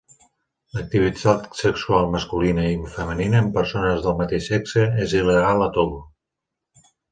L'activitat sexual masculina i femenina amb persones del mateix sexe és il·legal a Togo.